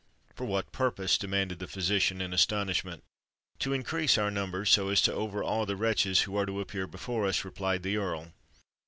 "For what purpose?" demanded the physician, in astonishment. "To increase our number so as to overawe the wretches who are to appear before us," replied the Earl.